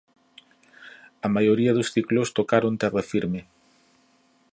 A maioría dos ciclóns tocaron terra firme.